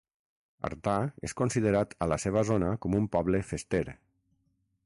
Artà és considerat a la seva zona com un poble fester.